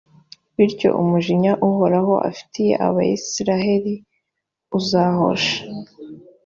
bityo umujinya uhoraho afitiye abayisraheli uzahosha.